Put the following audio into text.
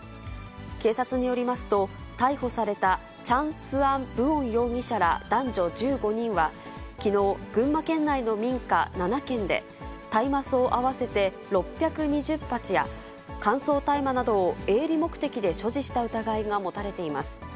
警察によりますと、逮捕されたチャン・スアン・ブオン容疑者ら男女１５人は、きのう、群馬県内の民家７軒で、大麻草合わせて６２０鉢や乾燥大麻などを営利目的で所持した疑いが持たれています。